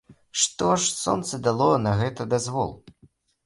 Што ж, сонца дало на гэта дазвол.